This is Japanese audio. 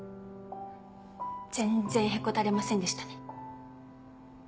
全然へこたれませんでしたね。